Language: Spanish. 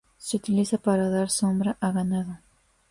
Se utiliza para dar sombra a ganado.